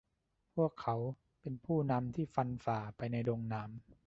พวกเขาเป็นผู้นำที่ฟันผ่าไปในดงหนาม